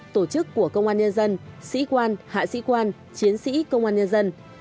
tổ chức của công an nhân dân sĩ quan hạ sĩ quan chiến sĩ công an nhân dân